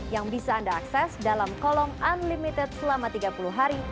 yang bisa anda akses dalam kolom unlimited selama tiga puluh hari